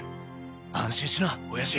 安心しな親父。